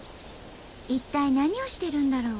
一体何をしてるんだろう？